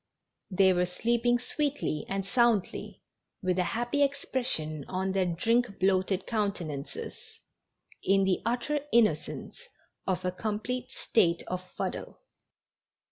They were sleeping sweetly and soundl}'', with a happy expression on their drink bloated countenances, in the utter innocence of a complete state of fuddle.